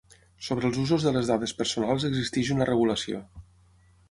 Sobre els usos de les dades personals existeix una regulació.